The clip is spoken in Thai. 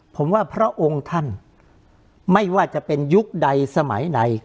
ผมว่าพระองค์ท่านไม่ว่าจะเป็นยุคใดสมัยไหน